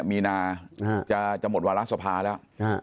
มีนาจะหมดวาระสภาแล้ว